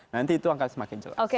nanti itu akan semakin jelas